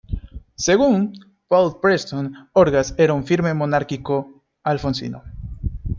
Según Paul Preston, Orgaz era un firme monárquico alfonsino.